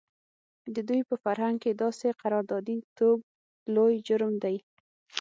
د دوی په فرهنګ کې داسې قراردادي توب لوی جرم دی.